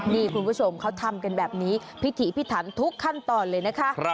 นี่คุณผู้ชมเขาทำกันแบบนี้พิถีพิถันทุกขั้นตอนเลยนะคะ